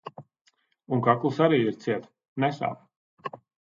Un kakls arī ir ciet - nesāp.